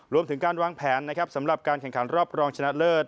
รวมถึงการวางแผนนะครับสำหรับการแข่งขันรอบรองชนะเลิศ